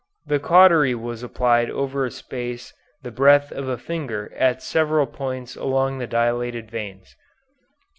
The cautery was applied over a space the breadth of a finger at several points along the dilated veins.